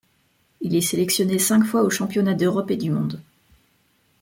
Il est sélectionné cinq fois aux Championnats d’Europe et du monde.